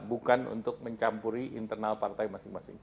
bukan untuk mencampuri internal partai masing masing